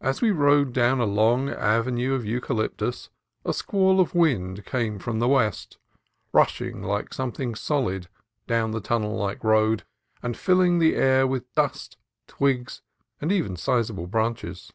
As we rode down a long avenue of eucalyptus, a squall of wind came from the west, rushing like something solid down the tunnel like road, and filling the air with dust, twigs, and even sizable branches.